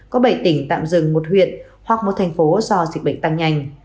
có bảy tỉnh tạm dừng một huyện hoặc một thành phố do dịch bệnh tăng nhanh